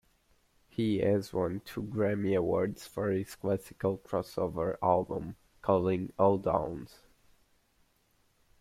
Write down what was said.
He has won two Grammy Awards for his classical crossover album "Calling All Dawns".